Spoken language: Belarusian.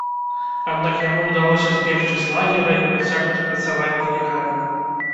Аднак яму ўдалося збегчы з лагера і працягнуць працаваць нелегальна.